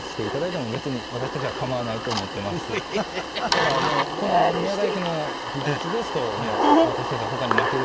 ただもう宮大工の技術ですともう私たちはほかに負ける気はしないんで。